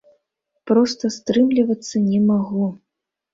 Проста стрымлівацца не магу.